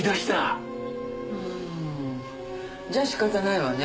じゃあ仕方ないわね。